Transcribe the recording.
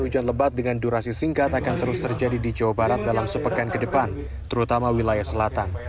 hujan lebat dengan durasi singkat akan terus terjadi di jawa barat dalam sepekan ke depan terutama wilayah selatan